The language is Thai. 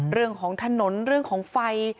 เรื่องของถนนเรื่องของไฟ